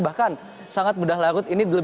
bahkan sangat mudah larut